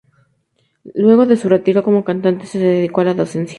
Luego de su retiro como cantante, se dedicó a la docencia.